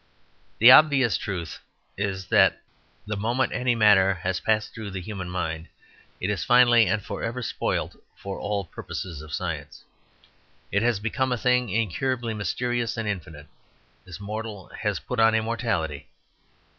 The obvious truth is that the moment any matter has passed through the human mind it is finally and for ever spoilt for all purposes of science. It has become a thing incurably mysterious and infinite; this mortal has put on immortality.